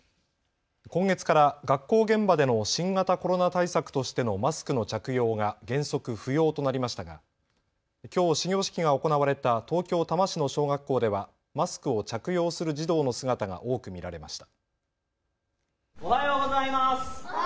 今月から学校現場での新型コロナ対策としてのマスクの着用が原則、不要となりましたがきょう始業式が行われた東京多摩市の小学校ではマスクを着用する児童の姿が多く見られました。